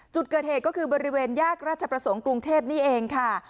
จุดเกิดเหตุก็คือบริเวณแยกราชประสงค์กรุงเทพนี่เองค่ะ